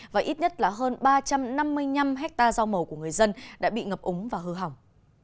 và ít nhất là hơn ba trăm năm mươi năm hectare rau màu của người dân đã bị ngập úng và hư hỏng